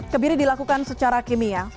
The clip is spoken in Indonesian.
kebiri dilakukan secara kimia